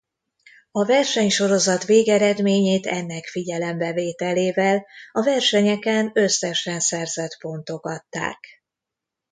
A versenysorozat végeredményét ennek figyelembe vételével a versenyeken összesen szerzett pontok adták.